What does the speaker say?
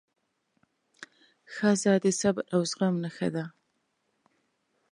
ښځه د صبر او زغم نښه ده.